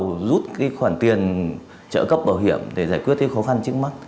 mình muốn có nhu cầu rút cái khoản tiền trợ cấp bảo hiểm để giải quyết cái khó khăn trước mắt